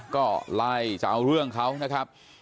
ก็ไล่จะเอาเรื่องเขานะครับ